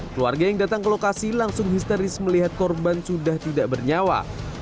keluarga yang datang ke lokasi langsung histeris melihat korban sudah tidak bernyawa